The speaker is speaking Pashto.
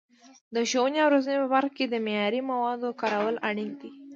د ښوونې او روزنې په برخه کې د معیاري موادو کارول اړین دي.